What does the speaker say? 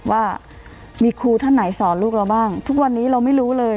ว่ามีครูท่านไหนสอนลูกเราบ้างทุกวันนี้เราไม่รู้เลย